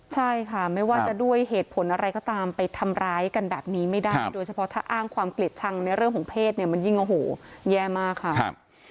ใช่ค่ะไม่ว่าจะด้วยเหตุผลอะไรก็ตามไปทำร้ายกันแบบนี้ไม่ได้โดยเฉพาะถ้าอ้างความเกลียดชังในเรื่องของเพศเนี่ยมันยิ่งโอ้โหแย่มากค่ะ